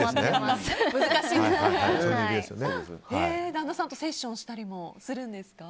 旦那さんとセッションしたりもするんですか？